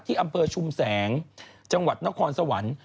อำเภอชุมแสงจังหวัดนครสวรรค์